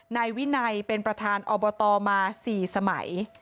นายวินัยเป็นประธานอบตมา๔สมัย